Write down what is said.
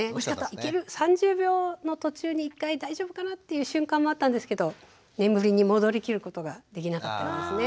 ３０秒の途中に１回大丈夫かな？っていう瞬間もあったんですけど眠りに戻り切ることができなかったですね。